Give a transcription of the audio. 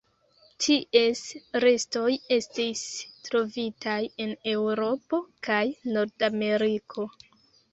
Ties restoj estis trovitaj en Eŭropo kaj Nordameriko.